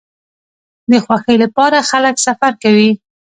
د خوښۍ لپاره خلک سفر کوي.